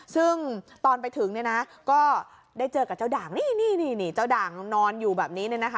ซึ่งตอนเคยถึงก็ได้เจอกับเจ้าด่างนี่เจ้าด่างนอนอยู่แบบนี้นะคะ